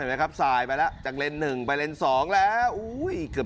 ทีมั้ยครับสายไปล่ะจากเล่นหนึ่งไปเล่นสองแล้ว